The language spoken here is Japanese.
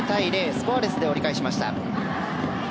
スコアレスで折り返しました。